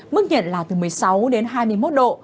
mức nhiệt là từ một mươi sáu đến hai mươi một độ